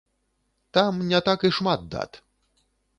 Там не так і шмат дат.